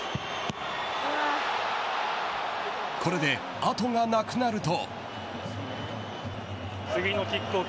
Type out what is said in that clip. これで後がなくなると。